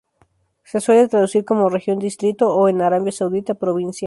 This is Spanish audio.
Se suele traducir como "región", "distrito" o, en Arabia Saudita, "provincia".